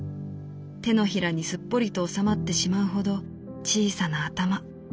掌にすっぽりと収まってしまうほど小さな頭。